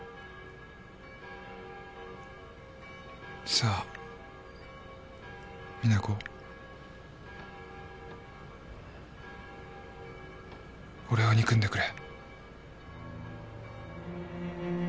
さぁ実那子俺を憎んでくれ。